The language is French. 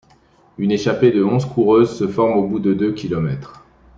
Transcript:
Une échappée de onze coureuses se forme au bout de deux kilomètres.